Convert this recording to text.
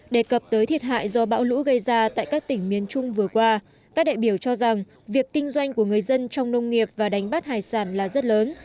đề cập tới thiệt hại do bão lũ gây ra tại các tỉnh miền trung vừa qua các đại biểu cho rằng việc kinh doanh của người dân trong nông nghiệp và đánh bắt hải sản là rất lớn